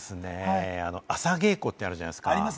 朝稽古とかあるじゃないですか。